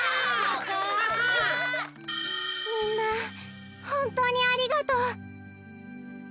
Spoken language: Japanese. みんなほんとうにありがとう。